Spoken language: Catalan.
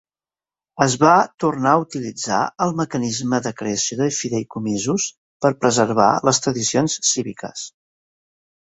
Es va tornar a utilitzar el mecanisme de creació de fideïcomisos per preservar les tradicions cíviques.